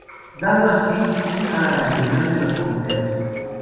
Dando así fin a la Rebelión de los Comuneros.